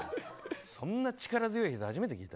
そんな力強いひざ初めて聞いた。